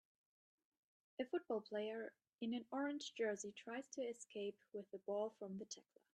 A football player in an orange jersey tries to escape with the ball from the tackler